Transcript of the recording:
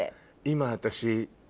今私。